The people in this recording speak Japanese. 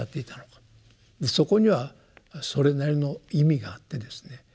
そこにはそれなりの意味があってですね